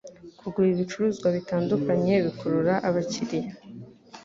kugura ibicuruzwa bitandukanye bikurura abakiriya